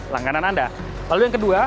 langganan anda lalu yang kedua